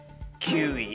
９位。